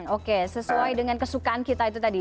okay sesuai dengan kesukaan kita itu tadi ya